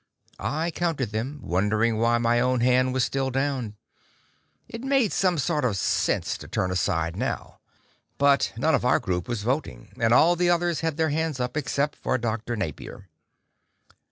I counted them, wondering why my own hand was still down. It made some sort of sense to turn aside now. But none of our group was voting and all the others had their hands up, except for Dr. Napier.